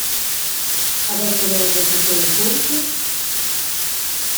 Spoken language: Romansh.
Havessen els enzatgei encunter?